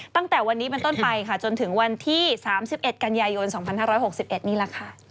ตั้งแต่วันนี้เป็นต้นไปค่ะจนถึงวันที่๓๑กันยายน๒๕๖๑นี่แหละค่ะ